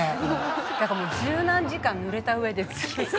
だからもう十何時間ぬれた上でずっと。